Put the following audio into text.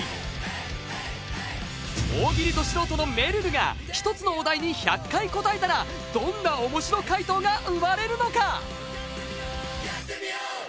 大喜利ど素人のめるるが１つのお題に１００回答えたらどんなおもしろ回答が生まれるのか？